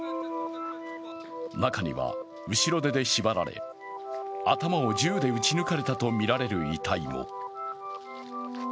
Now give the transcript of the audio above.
中には後ろ手で縛られ頭を銃で撃ち抜かれたとみられる遺体も。